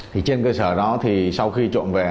thì trên cơ sở đó thì sau khi trộm vẹ